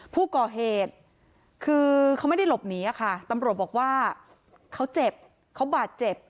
ผู้ก่อเหตุคือเขาไม่ได้หลบหนีค่ะตำรวจบอกว่าเขาเจ็บเขาบาดเจ็บ